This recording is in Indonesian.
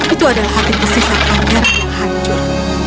itu adalah hati pesisat pangeran yang hancur